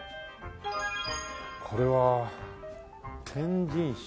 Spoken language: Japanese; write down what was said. これは天神社。